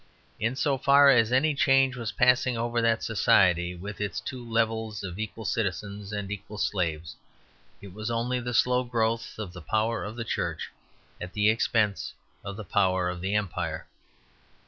In so far as any change was passing over that society with its two levels of equal citizens and equal slaves, it was only the slow growth of the power of the Church at the expense of the power of the Empire.